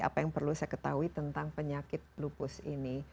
apa yang perlu saya ketahui tentang penyakit lupus ini